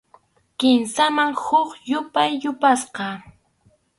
Kimsaman huk yupay yapasqa.